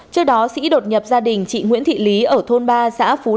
trước đó sĩ đột nhập gia đình chị nguyễn thị lý ở thôn ba xã phú